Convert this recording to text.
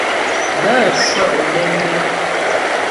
N də̂ cwə́ Olémbé.